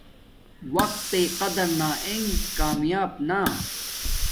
وقت تݵ قدر نا انݣ کامیاب نا